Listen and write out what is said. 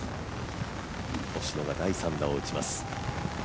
星野が第３打を打ちます。